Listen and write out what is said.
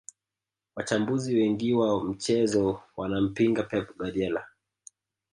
wachambuzi wengiwa michezo wanampinga pep guardiola